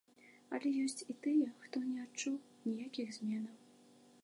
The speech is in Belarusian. Але ёсць і тыя, хто не адчуў ніякіх зменаў.